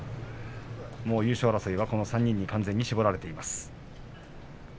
優勝争いは３人に完全に絞られています。